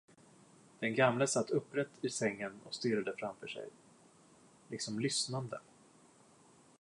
Den gamle satt upprätt i sängen stirrande framför sig, liksom lyssnande.